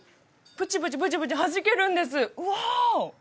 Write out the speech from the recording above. プチプチプチプチはじけるんですワオ！